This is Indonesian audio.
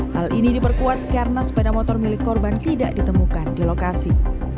hal ini diperkuat karena sepeda motor milik korban tidak ditemukan di lokasi